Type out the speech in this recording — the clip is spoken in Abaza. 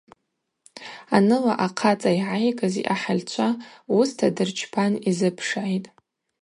Аныла ахъацӏа йгӏайгыз йъахӏыльчва уыста дырчпан йзыпшгӏитӏ.